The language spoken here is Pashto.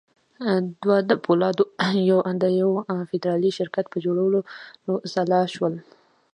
دوی د پولادو د یوه فدرالي شرکت پر جوړولو سلا شول